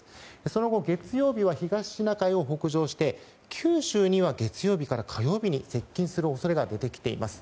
その後、月曜日は東シナ海を北上して九州には月曜日から火曜日に接近する恐れが出てきています。